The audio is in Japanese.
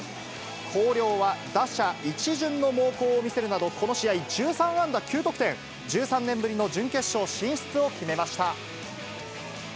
広陵は打者一巡の猛攻を見せるなど、この試合、１３安打９得点、１３年ぶりの準決勝進出を決めました。